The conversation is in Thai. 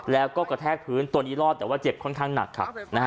แล้วก็กระแทกพื้นตัวนี้รอดแต่ว่าเจ็บค่อนข้างหนักครับ